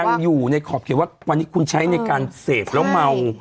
ยังอยู่ในขอบเขตว่าวันนี้คุณใช้ในการเสพแล้วเมา